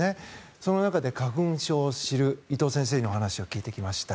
その中で花粉症を知る伊東先生に話を聞いてきました。